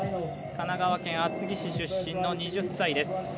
神奈川県厚木市出身の２０歳。